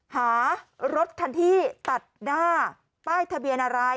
หารถคันที่ตัดหน้าป้ายทะเบียนอะไร